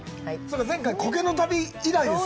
前回、苔の旅以来ですか。